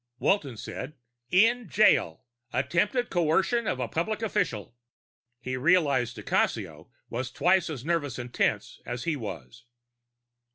Walton said, "In jail. Attempted coercion of a public official." He realized di Cassio was twice as nervous and tense as he was.